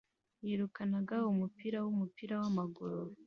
yirukanaga umupira wumupira wamaguru